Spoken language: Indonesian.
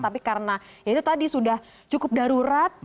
tapi karena ya itu tadi sudah cukup darurat